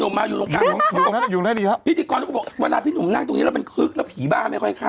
นุ่มมาอยู่ตรงกลางพิธีกรก็บอกว่าพี่นุ่มนั่งตรงนี้แล้วมันคลึกแล้วผีบ้าไม่ค่อยเข้า